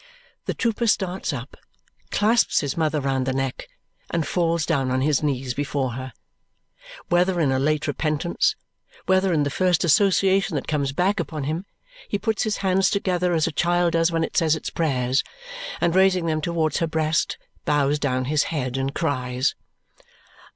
The trooper starts up, clasps his mother round the neck, and falls down on his knees before her. Whether in a late repentance, whether in the first association that comes back upon him, he puts his hands together as a child does when it says its prayers, and raising them towards her breast, bows down his head, and cries.